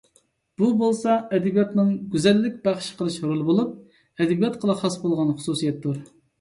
بۇ بولسا ئەدەبىياتنىڭ گۈزەللىك بەخش قىلىش رولى بولۇپ، ئەدەبىياتقىلا خاس بولغان خۇسۇسىيەتتۇر.